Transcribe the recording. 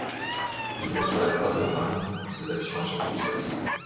Il reçoit la croix de la marine pour ses actions à Château-Thierry.